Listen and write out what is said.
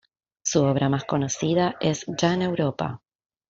Su obra más conocida es "Jan Europa".